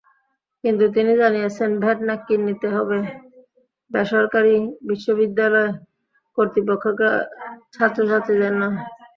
কিন্তু তিনি জানিয়েছেন ভ্যাট নাকি দিতে হবে বেসরকারি বিশ্ববিদ্যালয় কর্তৃপক্ষকে, ছাত্রছাত্রীদের নয়।